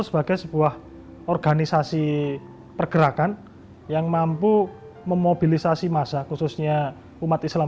sebagai sebuah organisasi pergerakan yang mampu memobilisasi masa khususnya umat islam